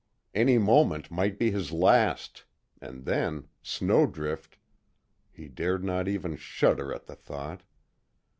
Any moment might be his last and then Snowdrift he dared not even shudder at the thought.